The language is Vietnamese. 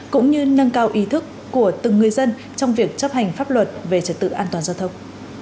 cũng như nâng cao ý thức của từng người dân trong việc chấp hành pháp luật về trật tự an toàn giao thông